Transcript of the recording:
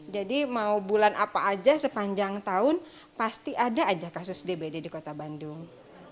mau bulan apa aja sepanjang tahun pasti ada aja kasus dbd di kota bandung